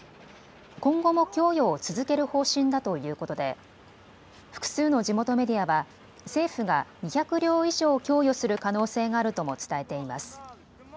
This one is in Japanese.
今後も供与を続ける方針だということで複数の地元メディアは政府が２００両以上、供与する可能性があるとも伝えています。